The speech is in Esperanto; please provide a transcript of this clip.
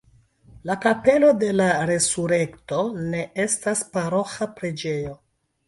La Kapelo de la Resurekto ne estas paroĥa preĝejo.